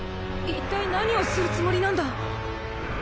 一体何をするつもりなんだ！？